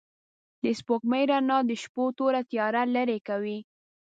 د سپوږمۍ رڼا د شپو توره تياره لېرې کوي.